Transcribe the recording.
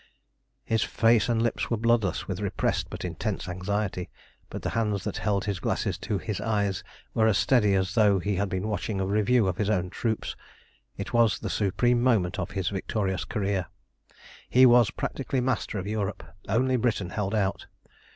His face and lips were bloodless with repressed but intense anxiety, but the hands that held his glasses to his eyes were as steady as though he had been watching a review of his own troops. It was the supreme moment of his victorious career. He was practically master of Europe. Only Britain held out.